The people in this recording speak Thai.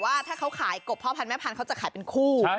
ว่าถ้าเค้าขายกบพ่อพันแม่พันเค้าจะขายเป็นคู่